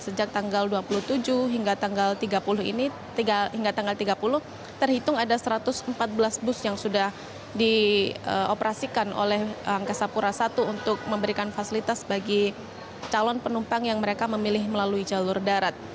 sejak tanggal dua puluh tujuh hingga tanggal tiga puluh terhitung ada satu ratus empat belas bus yang sudah dioperasikan oleh angkasa pura i untuk memberikan fasilitas bagi calon penumpang yang mereka memilih melalui jalur darat